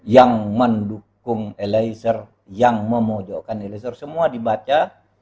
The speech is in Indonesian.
yang mendukung eliezer yang memojokkan eliezer semua dibaca